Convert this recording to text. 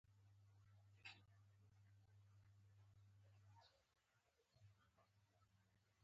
حق د طلب او استحقاق په معنا دی.